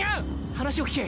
話を聞け。